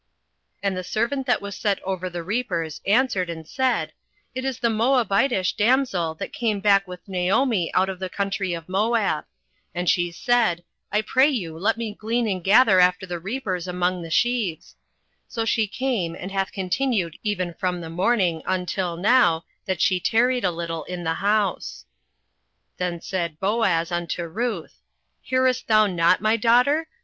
08:002:006 And the servant that was set over the reapers answered and said, It is the Moabitish damsel that came back with Naomi out of the country of Moab: 08:002:007 And she said, I pray you, let me glean and gather after the reapers among the sheaves: so she came, and hath continued even from the morning until now, that she tarried a little in the house. 08:002:008 Then said Boaz unto Ruth, Hearest thou not, my daughter?